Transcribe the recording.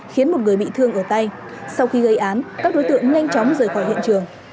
khiến một người bị thương ở tay sau khi gây án các đối tượng nhanh chóng rời khỏi hiện trường